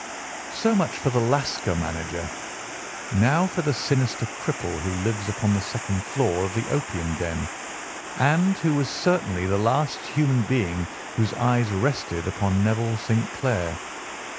"So much for the Lascar manager. Now for the sinister cripple who lives upon the second floor of the opium den, and who was certainly the last human being whose eyes rested upon Neville St. Clair.